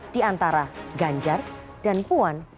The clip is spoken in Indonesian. di antara ganjar dan puan